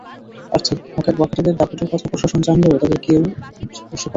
অর্থাৎ বখাটেদের দাপটের কথা প্রশাসন জানলেও তাদের কেশও স্পর্শ করা হয়নি।